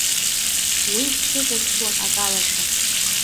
Уи дсыхәаԥшуан акалашәа.